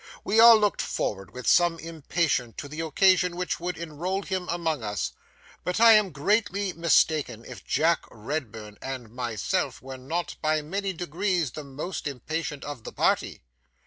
We all looked forward with some impatience to the occasion which would enroll him among us, but I am greatly mistaken if Jack Redburn and myself were not by many degrees the most impatient of the party.